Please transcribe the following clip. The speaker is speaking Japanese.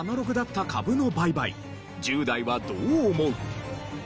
１０代はどう思う？